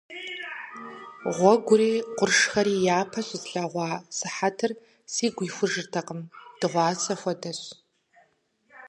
Гъуэгури къуршхэри япэ щыслъэгъуа сыхьэтыр сигу ихужыркъым – дыгъуасэ хуэдэщ.